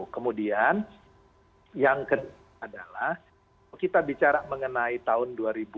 kemudian yang kedua adalah kita bicara mengenai tahun dua ribu dua puluh